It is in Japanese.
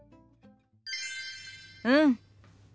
うん。